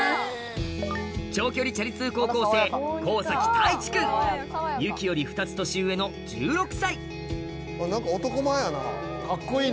長距離チャリ通高校生ゆきより２つ年上の１６歳え！